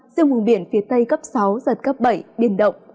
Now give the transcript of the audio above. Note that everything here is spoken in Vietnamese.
riêng vùng biển phía tây cấp sáu giật cấp bảy biển động